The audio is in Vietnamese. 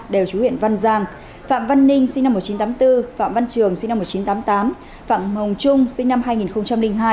đều chú huyện văn giang phạm văn ninh sinh năm một nghìn chín trăm tám mươi bốn phạm văn trường sinh năm một nghìn chín trăm tám mươi tám phạm hồng trung sinh năm hai nghìn hai